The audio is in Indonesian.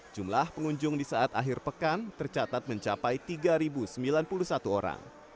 jumlah pengunjung di saat akhir pekan tercatat mencapai tiga sembilan puluh satu orang